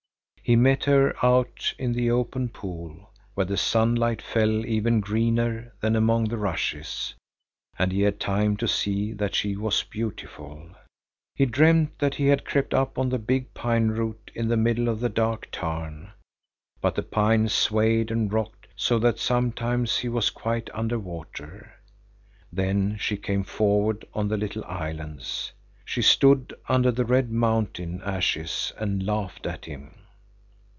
He met her out in the open pool, where the sunlight fell even greener than among the rushes, and he had time to see that she was beautiful. He dreamed that he had crept up on the big pine root in the middle of the dark tarn, but the pine swayed and rocked so that sometimes he was quite under water. Then she came forward on the little islands. She stood under the red mountain ashes and laughed at him.